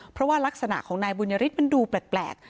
เพราะลักษณะของนายบุญญฤทธิ์ดูแปลก